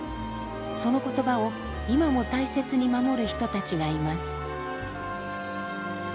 その言葉を今も大切に守る人たちがいます。